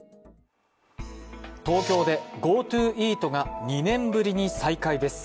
東京でＧｏＴｏイートが２年ぶりに再開です。